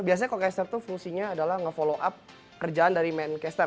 biasanya co caster itu fungsinya adalah nge follow up kerjaan dari main caster